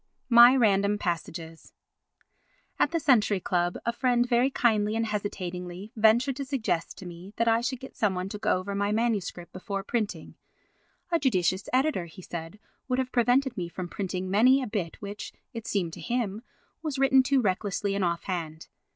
My Random Passages At the Century Club a friend very kindly and hesitatingly ventured to suggest to me that I should get some one to go over my MS. before printing; a judicious editor, he said, would have prevented me from printing many a bit which, it seemed to him, was written too recklessly and offhand.